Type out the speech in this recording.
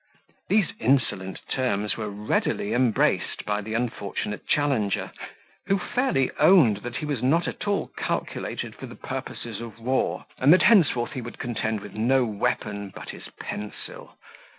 These insolent terms were readily embraced by the unfortunate challenger, who fairly owned, that he was not at all calculated for the purposes of war, and that henceforth he would contend with no weapon but his pencil.